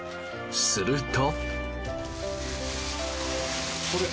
すると。